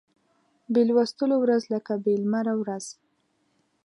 بې لوستلو ورځ لکه بې لمره ورځ